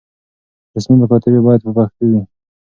رسمي مکاتبې بايد په پښتو وي.